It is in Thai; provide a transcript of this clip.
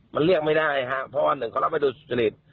มันเรียกไม่ได้ครับเพราะว่าหนึ่งเขารับไว้โดยสุจริต